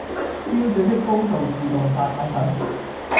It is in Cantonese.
標準的高度自動化產品